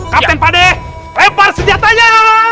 kapten pade lempar senjatanya